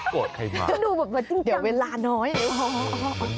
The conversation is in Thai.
ปวดใครมากเดี๋ยวเวลาน้อยหรือเปล่าเหมือน